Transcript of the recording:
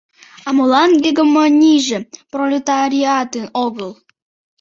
— А молан гегемонийже пролетариатын огыл?